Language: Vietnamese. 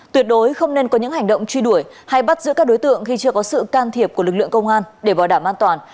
tuyệt đối không nên có những hành động truy đuổi hay bắt giữ các đối tượng khi chưa có sự can thiệp của lực lượng công an để bảo đảm an toàn